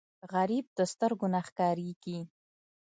غریب د سترګو نه ښکارېږي